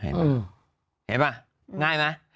เห็นป่ะง่ายไหม